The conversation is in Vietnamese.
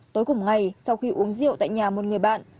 tối cùng ngày sau khi uống rượu tại nhà một người bạn